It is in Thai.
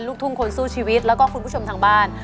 ลูกทุ่งคนสู้ชีวิตแล้วก็คุณผู้ชมทางบ้าน